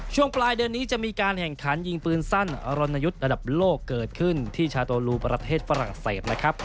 ช่วงปลายเดือนนี้จะมีการแข่งขันยิงปืนสั้นรณยุทธ์ระดับโลกเกิดขึ้นที่ชาโตลูประเทศฝรั่งเศสนะครับ